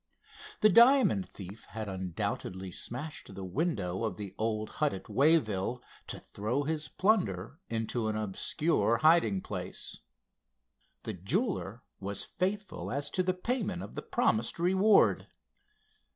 The diamond thief had undoubtedly smashed the window of the old hut at Wayville to throw his plunder into an obscure hiding place. The jeweler was faithful as to the payment of the promised reward.